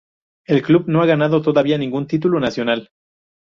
El club no ha ganado todavía ningún título nacional.